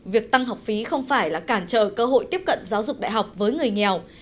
việc tăng học phí không phải là cản trở cơ hội tiếp cận giáo dục đại học với người nghèo